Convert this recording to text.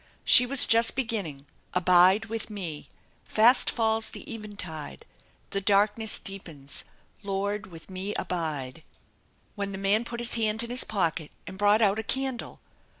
She was just beginning : Abide with me, Fast falls the eventide, The darkness deepens, Lord, with me abide! When the man put his hand in his pocket and brought out a candle.